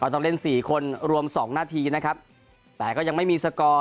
ต้องเล่นสี่คนรวมสองนาทีนะครับแต่ก็ยังไม่มีสกอร์